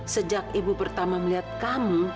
sejak ibu pertama melihat kamu